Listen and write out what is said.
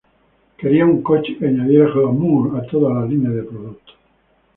Quería un coche que añadiera "glamour" a toda la línea de productos.